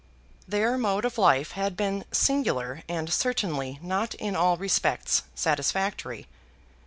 Their mode of life had been singular and certainly not in all respects satisfactory.